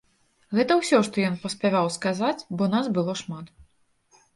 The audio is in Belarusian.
Гэта ўсё, што ён паспяваў сказаць, бо нас было шмат.